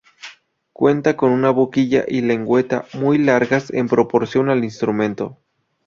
Cuenta con una boquilla y lengüeta muy largas en proporción al instrumento.